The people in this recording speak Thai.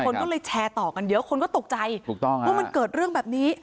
คนก็เลยแชร์ต่อกันเยอะคนก็ตกใจถูกต้องว่ามันเกิดเรื่องแบบนี้